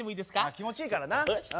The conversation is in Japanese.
気持ちいいからな。